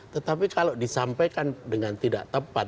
tetapi kalau disampaikan dengan tidak tepat